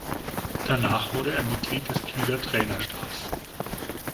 Danach wurde er Mitglied des Kieler Trainerstabs.